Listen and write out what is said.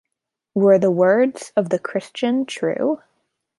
Were the words of the Christian true?